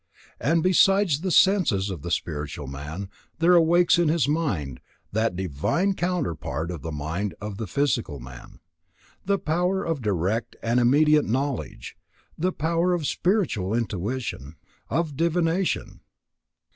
And, besides the senses of the spiritual man, there awakes his mind, that divine counterpart of the mind of the physical man, the power of direct and immediate knowledge, the power of spiritual intuition, of divination.